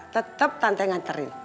tetap tante nganterin